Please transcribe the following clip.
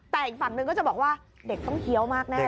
แต่อีกฝั่งนึงก็จะบอกว่าเด็กต้องเคี้ยวมากแน่